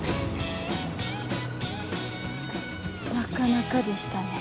なかなかでしたね。